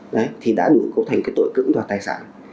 đấy thì đã được cấu thành tội cưỡng đoạt tài sản